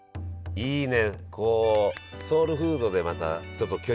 いいね。